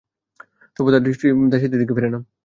তবুও তার দৃষ্টি দাসীদের দিকে ফিরেনা।